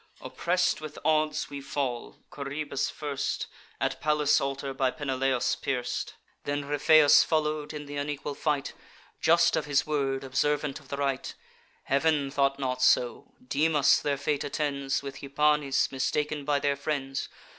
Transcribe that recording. Oppress'd with odds, we fall; Coroebus first, At Pallas' altar, by Peneleus pierc'd. Then Ripheus follow'd, in th' unequal fight; Just of his word, observant of the right: Heav'n thought not so. Dymas their fate attends, With Hypanis, mistaken by their friends.